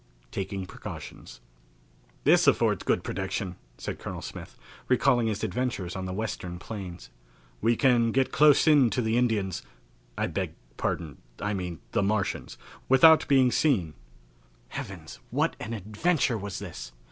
Taking Precautions. "This affords good protection," said Colonel Smith, recalling his adventures on the Western plains. "We can get close in to the Indians I beg pardon, I mean the Martians without being seen." Heavens, what an adventure was this!